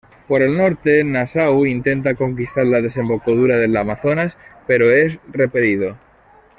Por el norte Nassau intenta conquistar la desembocadura del Amazonas pero es repelido.